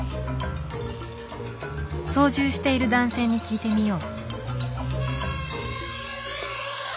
操縦している男性に聞いてみよう。